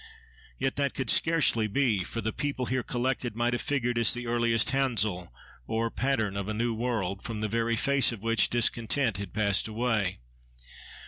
Yet that could scarcely be, for the people here collected might have figured as the earliest handsel, or pattern, of a new world, from the very face of which discontent had passed away.